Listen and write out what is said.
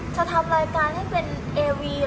ทำรายการให้เป็นเอวี